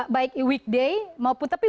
baik weekday maupun tapi